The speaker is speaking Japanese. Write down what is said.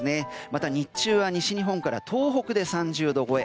また、日中は西日本から東北で３０度超え。